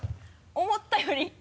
思ったより